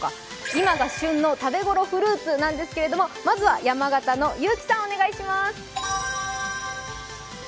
今が旬の食べごろフルーツなんですが、まずは山形の結城さん、お願いします。